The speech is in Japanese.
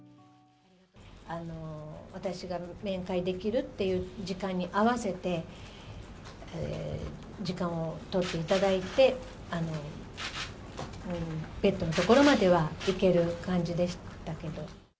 私が面会できるっていう時間に合わせて、時間を取っていただいて、ベッドの所までは行ける感じでしたけど。